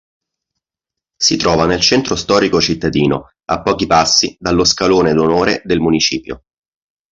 Si trova nel centro storico cittadino, a pochi passi dallo Scalone d'Onore del Municipio.